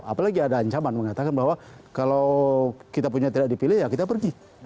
apalagi ada ancaman mengatakan bahwa kalau kita punya tidak dipilih ya kita pergi